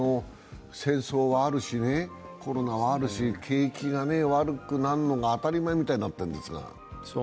戦争へはあるし、コロナはあるし景気が悪くなるのが当たり前みたいになってるんですが。